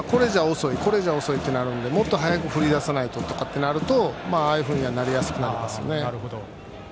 これじゃ遅いとなるのでもっと早く振り出さないととかってなるとああいうふうになりやすくなりますよね。